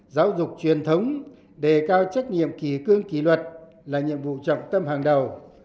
giáo dục truyền thống đề cao trách nhiệm kỳ cương kỳ luật là nhiệm vụ trọng tâm hàng đầu